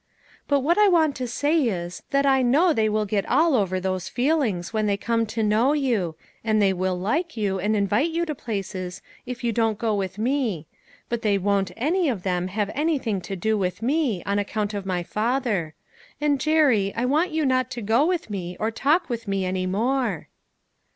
But what I want to say is, that I know they will get all over those feelings when they come to know you ; and they will like you, and invite you to places, if you don't go with me ; but they won't any of them have anything to do with me, on account of my father. And, Jerry, I want you not to go with me, or talk with me any more."